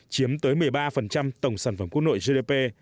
chiếm tới một mươi ba tổng sản phẩm quốc nội gdp